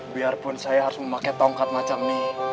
biarpun saya harus memakai tongkat macam nih